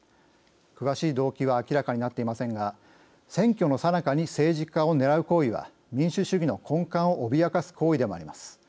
詳しい動機は明らかになっていませんが選挙のさなかに政治家を狙う行為は民主主義の根幹を脅かす行為でもあります。